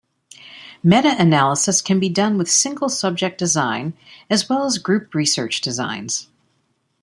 Meta-analysis can be done with single-subject design as well as group research designs.